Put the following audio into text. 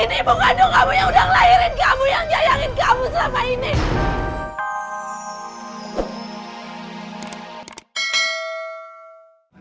ini ibu kandung kamu yang sudah ngelahirin kamu yang nyayangin kamu selama ini